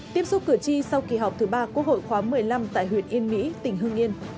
tiếp xúc cử tri sau kỳ họp thứ ba quốc hội khóa một mươi năm tại huyện yên mỹ tỉnh hương yên